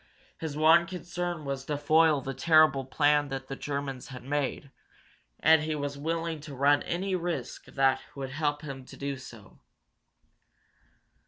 His one concern was to foil the terrible plan that the Germans had made, and he was willing to run any risk that would help him to do so.